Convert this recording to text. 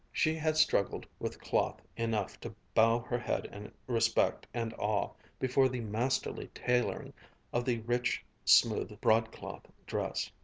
She had struggled with cloth enough to bow her head in respect and awe before the masterly tailoring of the rich, smooth broadcloth dress.